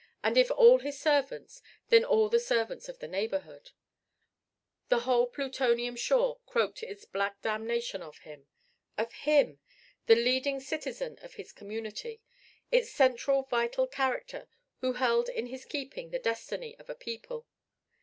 And if all his servants, then all the servants of the neighborhood. The whole Plutonian shore croaked its black damnation of him. Of him! the leading citizen of his community, its central vital character who held in his keeping the destiny of a people!